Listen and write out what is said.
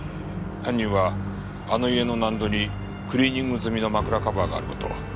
犯人はあの家の納戸にクリーニング済みの枕カバーがある事を。